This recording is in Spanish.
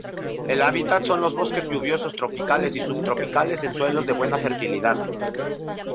El hábitat son los bosques lluviosos tropicales y subtropicales en suelos de buena fertilidad.